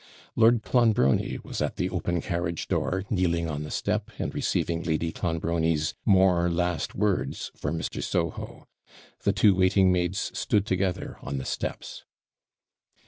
Lord Clonbrony was at the open carriage door, kneeling on the step, and receiving Lady Clonbrony's 'more last words' for Mr. Soho. The two waiting maids stood together on the steps.